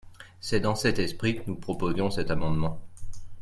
C’est dans cet esprit que nous proposions cet amendement.